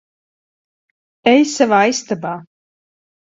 Ej savā istabā.